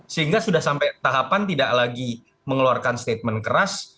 sehingga sudah sampai tahapan tidak lagi mengeluarkan statement keras